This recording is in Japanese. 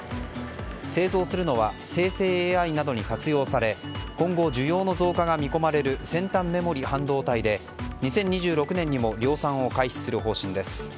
製造するのは生成ＡＩなどに活用され今後、需要の増加が見込まれる先端メモリ半導体で２０２６年にも量産を開始する方針です。